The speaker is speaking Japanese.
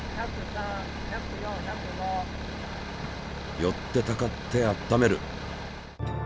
寄ってたかって温める。